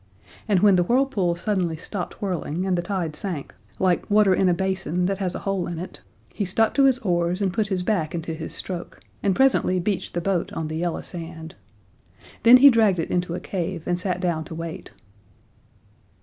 And when the whirlpools suddenly stopped whirling and the tide sank, like water in a basin that has a hole in it, he stuck to his oars and put his back into his stroke, and presently beached the boat on the yellow sand. Then he dragged it into a cave, and sat down to wait.